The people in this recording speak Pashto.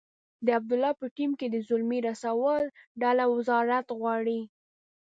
د عبدالله په ټیم کې د زلمي رسول ډله وزارت غواړي.